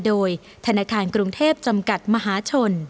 โดยธนาคารกรุงเทพจำกัดมหาชน